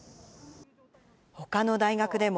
ほかの大学でも。